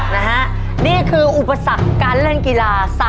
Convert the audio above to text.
นี่คืออุปสรรคการเล่นกีฬา